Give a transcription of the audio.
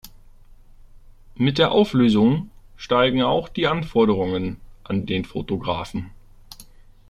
Mit der Auflösung steigen auch die Anforderungen an den Fotografen.